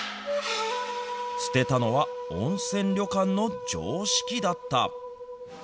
捨てたのは、温泉旅館の常識だった。